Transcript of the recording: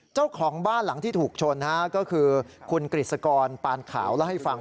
เจ้าของบ้านหลังที่ถูกชนก็คือคุณกฤษกรปานขาวเล่าให้ฟัง